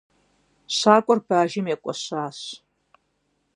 Щакӏуэр бажэм екӏуэщащ.